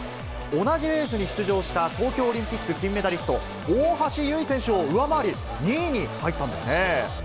同じレースに出場した東京オリンピック金メダリスト、大橋悠依選手を上回り２位に入ったんですね。